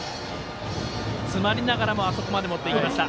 詰まりながらもあそこまで持っていきました。